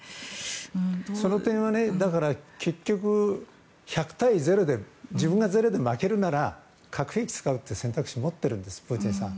その点は、結局１００対０で自分が０で負けるなら核兵器を使うという選択肢を持っているんですプーチンさんは。